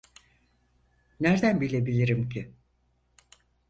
Nerden bilebilirim ki?